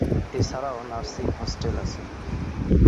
এছাড়াও nursing hostel আছে।